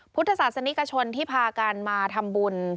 พุทธศาสนิกชนที่พากันมาทำบุญ